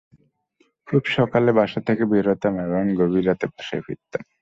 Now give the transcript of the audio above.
খুব সকালে বাসা থেকে বের হতাম এবং গভীর রাতে বাসায় ফিরতাম।